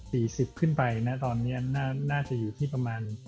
สิบขึ้นไปนะตอนนี้น่าจะอยู่ที่ประมาณ